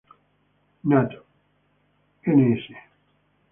Nat"., n.s.